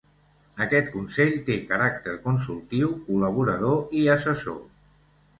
Aquest consell té caràcter consultiu, col·laborador i assessor.